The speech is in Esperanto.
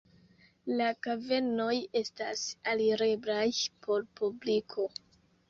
La kavernoj estas alireblaj por publiko.